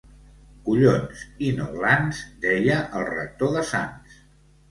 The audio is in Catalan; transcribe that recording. Collons, i no glans, deia el rector de Sants.